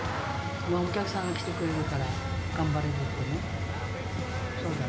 お客さんが来てくれるから頑張れるってね。